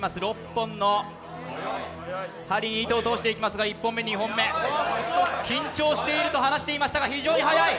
６本の針、糸を通していきますがまず１本目緊張していると話していましたが非常に速い、